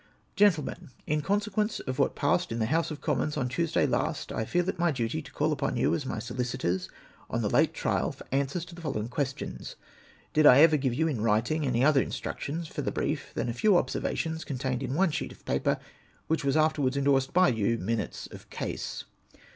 GrEXTLEMEN, — In consequeuce of what passed in the House of Commons on Tuesday last, I feel it my duty to call upon you, as my solicitors on the late trial, for answers to the following questions :— Did I ever give you, in writing, any other instructions for tlie brief, than a few observations contained in one sheet of paper, which was afterwards endorsed by you, " Minutes of Case